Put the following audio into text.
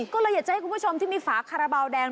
ก็เลยอยากจะให้คุณผู้ชมที่มีฝาคาราบาลแดง